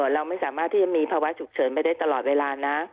เราไม่สามารถที่จะมีภาวะฉุกเฉินไปได้ตลอดเวลานะ